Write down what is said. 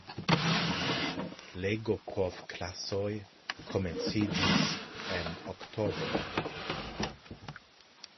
Legopovklasoj komenciĝis en oktobro.